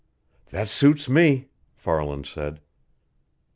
"That suits me," Farland said.